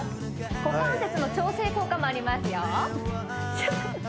股関節の調整効果もありますよ